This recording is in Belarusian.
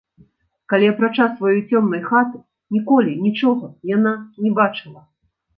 Калі, апрача сваёй цёмнай хаты, ніколі нічога яна не бачыла.